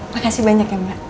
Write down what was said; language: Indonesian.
makasih banyak ya mbak